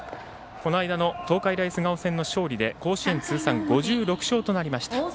この間の東海大菅生戦の勝利で甲子園通算５６勝となりました。